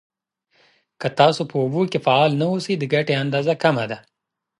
که تاسو په اوبو کې فعال نه اوسئ، د ګټې اندازه کمه ده.